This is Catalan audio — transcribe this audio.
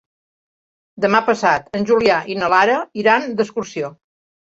Demà passat en Julià i na Lara iran d'excursió.